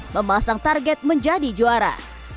memasang target menjadi juara